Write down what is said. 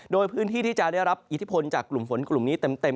โดยพื้นที่ที่จะได้รับอิทธิพลจากกลุ่มฝนกลุ่มนี้เต็ม